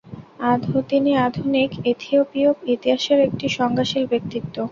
তিনি আধুনিক ইথিওপীয় ইতিহাসের একটি সংজ্ঞাশীল ব্যক্তিত্ব।